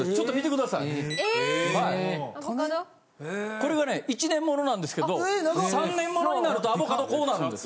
これがね１年ものなんですけど３年ものになるとアボカドこうなるんです！